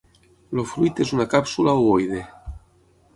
El fruit és una càpsula ovoide.